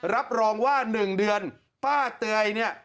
รับรองว่า๑เดือนป้าเตยเนี่ย